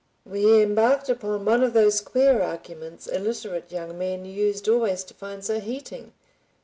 We embarked upon one of those queer arguments illiterate young men used always to find so heating.